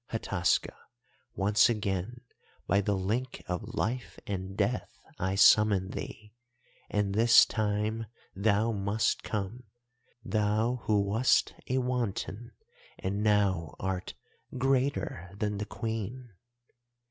Hataska, once again by the link of life and death I summon thee—and this time thou must come, thou who wast a wanton and now art "greater than the Queen."